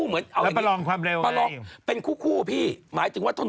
มอเตอร์ไซมันปล่อยเป็นคู่